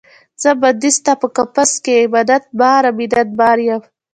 زه بندۍ ستا په قفس کې، منت باره، منت بار یم